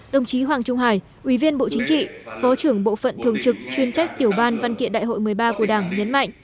đồng chí hoàng trung hải ủy viên bộ chính trị phó trưởng bộ phận thường trực chuyên trách tiểu ban văn kiện đại hội một mươi ba của đảng nhấn mạnh